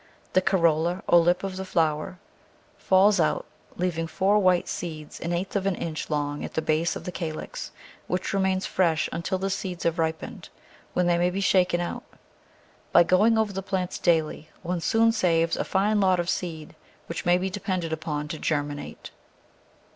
The corolla or lip of the flower falls out, leaving four white seeds an eighth of an inch long at the base of the calyx, which remains fresh un til the seeds have ripened, when they may be shaken out By going over the plants daily one soon saves a fine lot of seed, which may be depended upon to germinate.